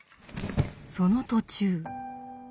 その途中。